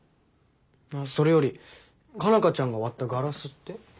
それより佳奈花ちゃんが割ったガラスって？